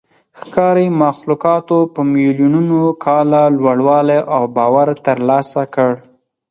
ښکاري مخلوقاتو په میلیونونو کاله لوړوالی او باور ترلاسه کړ.